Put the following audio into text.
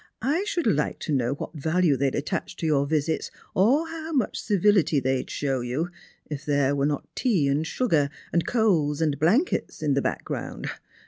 " I should like to know what value they'd attach to your visits, or how much civility they'd show you, if thero were not tea and sugar, and coals and blankets in the back ground.